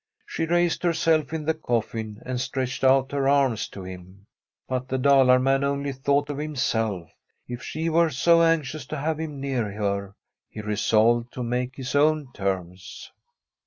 She raised herself in the coffin and stretched out her arms to him. But the Dalar man only thought of himself. If she were so anxious to have him near her, he resolved to make his own terms.